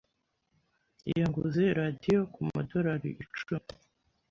Yanguze radio kumadorari icumi.